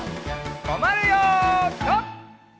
とまるよピタ！